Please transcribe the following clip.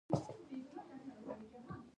د سترګو د ستړیا لپاره د چای کڅوړه وکاروئ